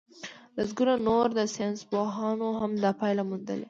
لسګونو نورو ساينسپوهانو هم دا پايله موندلې.